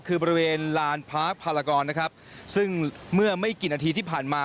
คือบริเวณลานพาร์คพารากรนะครับซึ่งเมื่อไม่กี่นาทีที่ผ่านมา